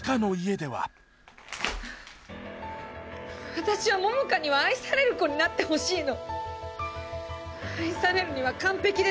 私は桃花には愛される子になってほしいの。